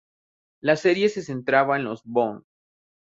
La serie se centra en los "Bone".